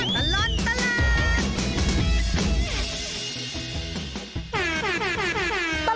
ชั่วตลอดตลาด